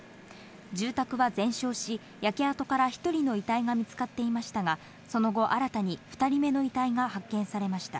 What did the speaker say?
住宅は全焼し、焼け跡から１人の遺体が見つかっていましたが、その後、新たに２人目の遺体が発見されました。